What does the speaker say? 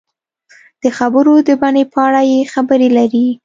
د خبرو د بڼې په اړه یې خبرې لري.